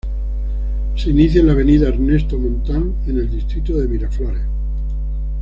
Se inicia en la avenida Ernesto Montagne en el distrito de Miraflores.